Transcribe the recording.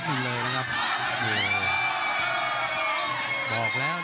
โหโหโหโหโหโห